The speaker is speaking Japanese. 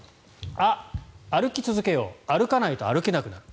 「歩き続けよう歩かないと歩けなくなる」。